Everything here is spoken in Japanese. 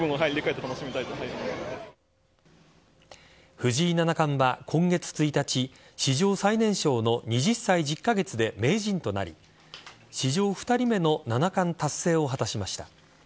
藤井七冠は今月１日史上最年少の２０歳１０カ月で名人となり史上２人目の七冠達成を果たしました。